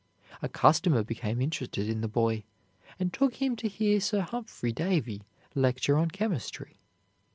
A customer became interested in the boy, and took him to hear Sir Humphry Davy lecture on chemistry.